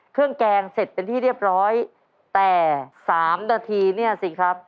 แกงเสร็จเป็นที่เรียบร้อยแต่สามนาทีเนี่ยสิครับ